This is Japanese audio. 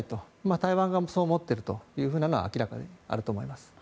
台湾側もそう思っているというのは明らかにあると思います。